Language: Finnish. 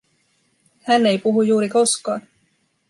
Hän ei puhu juuri koskaan.